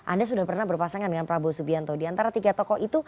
anda sudah pernah berpasangan dengan prabowo subianto